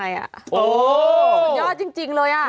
ยังไงล่ะสุดยอดจริงเลยล่ะโอ้โฮ